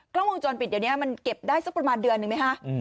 กล้องวงจรปิดเดี๋ยวนี้มันเก็บได้สักประมาณเดือนหนึ่งไหมคะ